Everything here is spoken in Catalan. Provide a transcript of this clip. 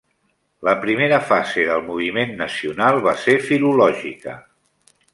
La primera fase del moviment nacional va ser filològica.